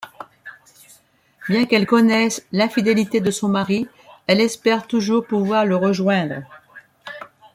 Bien qu'elle connaisse l'infidélité de son mari, elle espère toujours pouvoir le rejoindre.